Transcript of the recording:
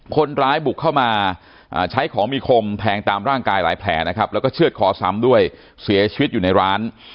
คนร้ายบุกเข้ามาใช้ของมีคมแทงตามร่างกายหลายแผลนะครับแล้วก็เชื่อดคอซ้ำด้วยเสียชีวิตอยู่ในร้าน